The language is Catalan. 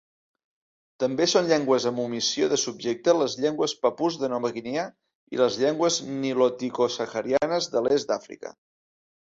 També són llengües amb omissió de subjecte les llengües papús de Nova Guinea i les llengües niloticosaharianes de l'est d'Àfrica.